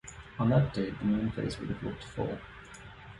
On that date the moon phase would have looked full.